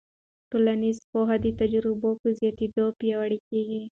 ټولنیز پوهه د تجربو په زیاتېدو پیاوړې کېږي.